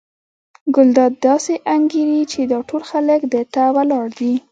ګلداد داسې انګېري چې دا ټول خلک ده ته ولاړ دي.